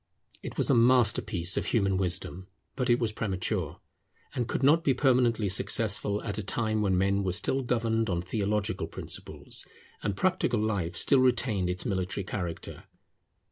It was a masterpiece of human wisdom; but it was premature, and could not be permanently successful at a time when men were still governed on theological principles, and practical life still retained its military character.